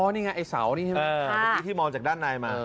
นี่ไงไอ้เสานี่ที่มองจากด้านในมา